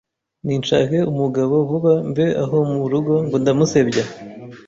ninshake umugabo vuba mve aho mu rugo ngo ndamusebya